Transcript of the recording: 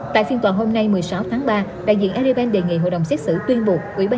tại phiên tòa hôm nay một mươi sáu tháng ba đại diện adipen đề nghị hội đồng xét xử tuyên buộc ủy ban